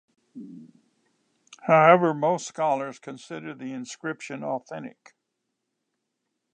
However, most scholars consider the inscription authentic.